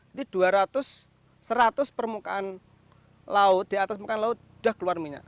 jadi dua ratus seratus permukaan laut di atas permukaan laut sudah keluar minyak